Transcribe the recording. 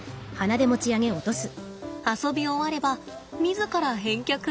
遊び終われば自ら返却。